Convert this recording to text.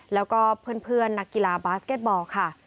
แล้วก็เพื่อนนักกีฬาบาสเก็ตบอลค่ะ